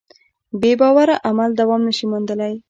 بېباوره عمل دوام نهشي موندلی.